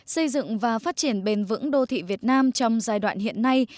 xây dựng và phát triển bền vững đô thị việt nam trong giai đoạn hiện nay